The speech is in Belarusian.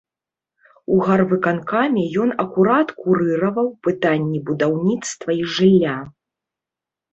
У гарвыканкаме ён акурат курыраваў пытанні будаўніцтва і жылля.